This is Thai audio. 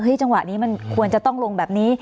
จังหวะนี้มันควรจะต้องลงแบบนี้